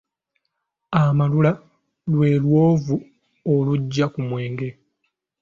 Amalula lwe lwovu oluggya ku mwenge.